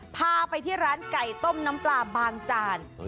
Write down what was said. พาไปที่ร้านไก่ต้มน้ำปลาบางจาน